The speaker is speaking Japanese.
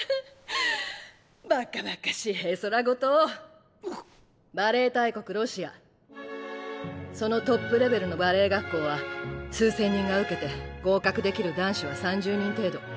バカバカしい絵空事をうぐっバレエ大国ロそのトップレベルのバレエ学校は数千人が受けて合格できる男子は３０人程度。